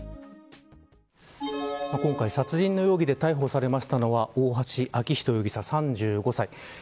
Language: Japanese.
今回殺人の容疑で逮捕されたのは大橋昭仁容疑者３５歳です。